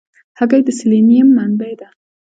هګۍ د سلینیم منبع ده.